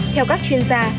theo các chuyên gia